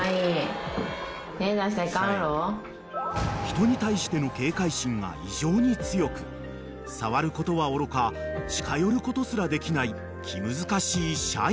［人に対しての警戒心が異常に強く触ることはおろか近寄ることすらできない気難しいシャイン］